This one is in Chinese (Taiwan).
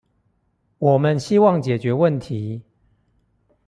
我們希望解決問題